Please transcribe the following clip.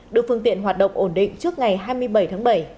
đưa phương tiện hoạt động ổn định trước ngày hai mươi bảy tháng bảy